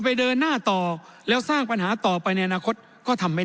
เดินหน้าต่อแล้วสร้างปัญหาต่อไปในอนาคตก็ทำไม่ได้